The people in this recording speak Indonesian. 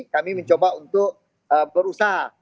kami mencoba untuk berusaha